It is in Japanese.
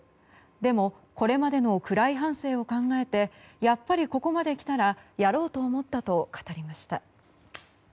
でも、これまでの暗い半生を考えてやっぱりここまで来たらやろうと思ったと語りました。